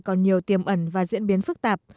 còn nhiều tiềm ẩn và diễn biến phức tạp